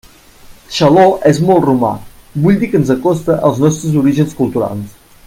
Xaló és molt romà, vull dir que ens acosta als nostres orígens culturals.